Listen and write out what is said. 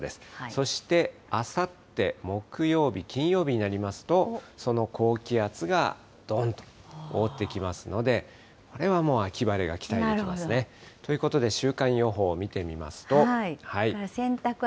そしてあさって木曜日、金曜日になりますと、その高気圧がどんと覆ってきますので、これはもう秋晴れが期待でなるほど。ということで、週間予報、見てみますと。